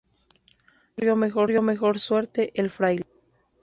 No corrió mejor suerte el fraile.